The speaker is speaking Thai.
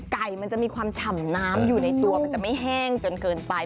มันจะมีความฉ่ำน้ำอยู่ในตัวมันจะไม่แห้งจนเกินไป